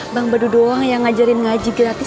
bang badu doang yang ngajarin ngaji gratis